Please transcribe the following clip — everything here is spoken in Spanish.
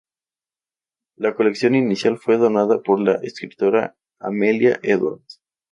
La colección inicial fue donada por la escritora Amelia Edwards.